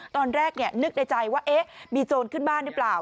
ตอนแรกนึกในใจว่ามีโจรขึ้นบ้านหรือเปล่า